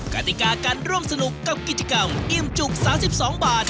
กติกาการร่วมสนุกกับกิจกรรมอิ่มจุก๓๒บาท